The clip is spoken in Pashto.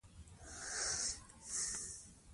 مور د کورنۍ د خوړو لګښت مدیریت کوي.